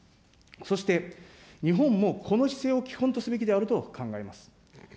そして日本もこの姿勢を基本とすべきであると考えます。